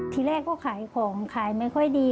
ทีแรกก็ขายของขายไม่ค่อยดี